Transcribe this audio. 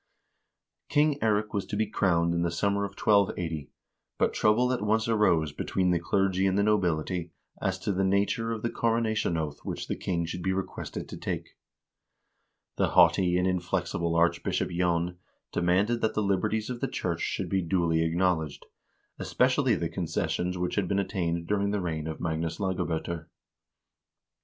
King Eirik was to be crowned in the summer of 1280,1 but trouble at once arose between the clergy and the nobility as to the nature of the coronation oath which the king should be requested to take. The haughty and inflexible Archbishop J6n demanded that the liberties of the church should be duly acknowledged ; especially the conces sions which had been obtained during the reign of Magnus Lagab0ter.